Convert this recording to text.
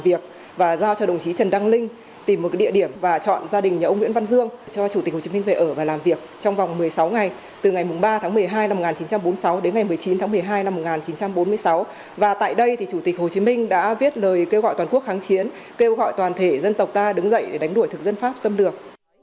và tại đây thì chủ tịch hồ chí minh đã viết lời kêu gọi toàn quốc kháng chiến kêu gọi toàn thể dân tộc ta đứng dậy để đánh đuổi thực dân pháp xâm lược